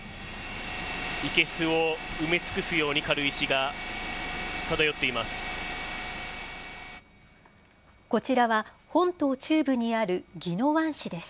生けすを埋め尽くすように軽石が漂っています。